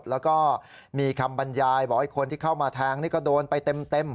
แล้วก็มีคำบรรยายบอกไอ้คนที่เข้ามาแทงนี่ก็โดนไปเต็ม